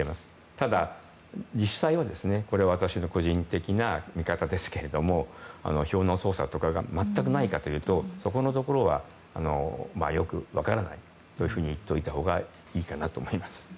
ただ、実際は私の個人的な見方ですけども票の操作とかが全くないかというとそこのところはよく分からないといっておいたほうがいいかなと思います。